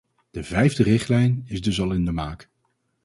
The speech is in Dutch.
De vijfde richtlijn is dus al in de maak.